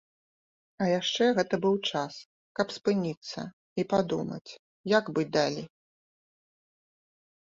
А яшчэ гэта быў час, каб спыніцца і падумаць, як быць далей.